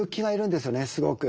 すごく。